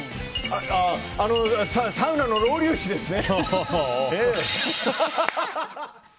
サウナのロウリュ師ですね。